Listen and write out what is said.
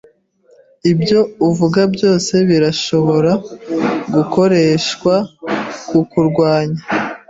Ibyo uvuga byose birashobora gukoreshwa kukurwanya.